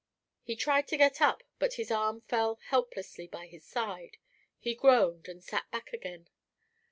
He tried to get up, but his arm fell helplessly by his side, he groaned, and sank back again.